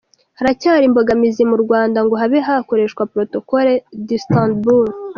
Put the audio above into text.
Haracyari imbogamizi mu Rwanda ngo habe hakoreshwa Protocole d’Istanbul.